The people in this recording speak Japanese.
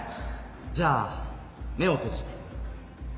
じゃあ目を閉じて。